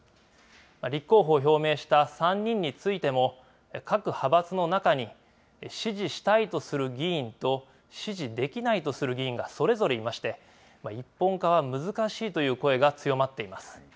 立候補を表明した３人についても、各派閥の中に、支持したいとする議員と、支持できないとする議員がそれぞれいまして、一本化は難しいという声が強まっています。